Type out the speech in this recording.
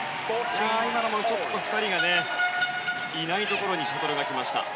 今のも、２人がいないところにシャトルが来ました。